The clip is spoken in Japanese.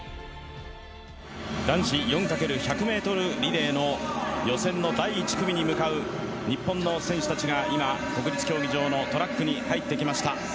男子４×１００ｍリレーの予選の第１組に向かう日本の選手たちが今、国立競技場のトラックに入ってきました。